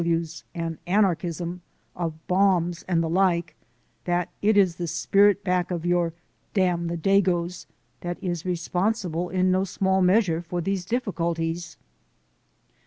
W. W.'s and anarchism, of bombs and the like, that it is the spirit back of your 'damn the dagoes' that is responsible in no small measure for these difficulties."